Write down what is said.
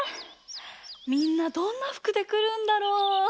みんなどんなふくでくるんだろう？